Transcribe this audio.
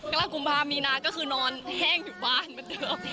กระลักษณ์กุมภาพนี่นะก็คือนอนแห้งอยู่บ้านเหมือนเดิม